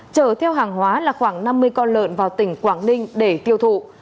chở theo hàng hóa là khoảng năm mươi con lợn vào tỉnh quảng ninh để tiêu thụ